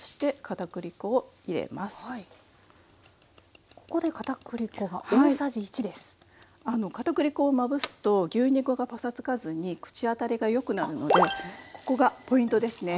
かたくり粉をまぶすと牛肉がパサつかずに口当たりがよくなるのでここがポイントですね。